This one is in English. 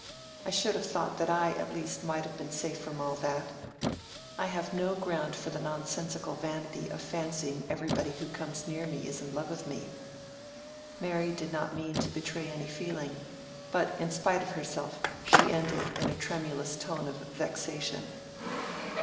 I should have thought that I, at least, might have been safe from all that. I have no ground for the nonsensical vanity of fancying everybody who comes near me is in love with me." Mary did not mean to betray any feeling, but in spite of herself she ended in a tremulous tone of vexation.